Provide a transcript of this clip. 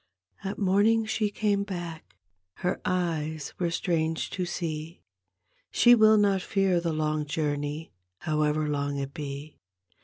At morning she came hack.; Her eyes were strange to see. She will not fear the long joum^, However long it be.